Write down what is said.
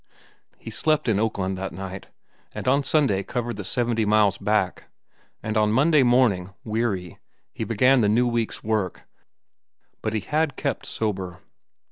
He slept in Oakland that night, and on Sunday covered the seventy miles back. And on Monday morning, weary, he began the new week's work, but he had kept sober.